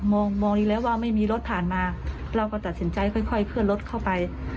มองมองอีกแล้วว่าไม่มีรถผ่านมาเราก็ตัดสินใจค่อยเคลื่อนรถเข้าไป